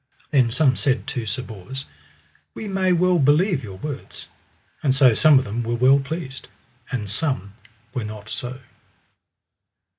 Then some said to Sir Bors: We may well believe your words. And so some of them were well pleased, and some were not so.